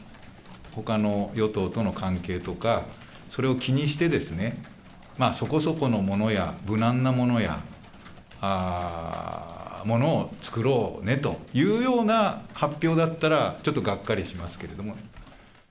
ほかの与党との関係とか、それを気にして、そこそこのものや、無難なものや、ものを作ろうねというような発表だったら、ちょっとがっかりしますけども。